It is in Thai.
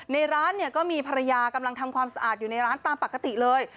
ในร้านเนี่ยก็มีภรรยากำลังทำความสะอาดอยู่ในร้านตามปกติเลย